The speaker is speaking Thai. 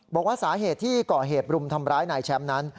บอกว่าสาเหตุที่ก่อเหตุรุมทำร้ายนายแชมป์นั้น